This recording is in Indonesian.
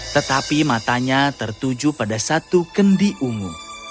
tetapi matanya tertuju pada satu kendi ungu